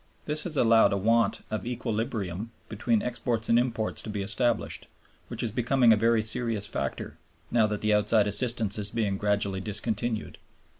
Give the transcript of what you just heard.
This has allowed a want of equilibrium between exports and imports to be established, which is becoming a very serious factor, now that the outside assistance is being gradually discontinued.